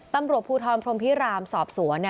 ประโบสถ์ท้อนพรมพิรามป์สอบสวน